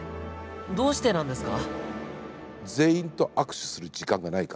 どうしてなんですか？